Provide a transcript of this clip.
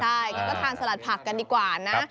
ใช่งั้นก็ทานสลัดผักกันดีกว่านะ